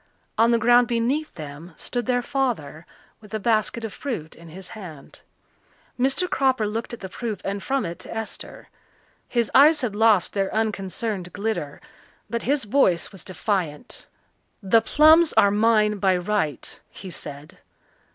On the ground beneath them stood their father with a basket of fruit in his hand. Mr. Cropper looked at the proof and from it to Esther. His eyes had lost their unconcerned glitter, but his voice was defiant. "The plums are mine by right," he said.